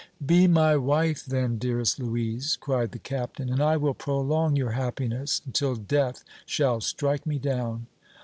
"Be my wife, then, dearest Louise," cried the Captain, "and I will prolong your happiness until death shall strike me down!"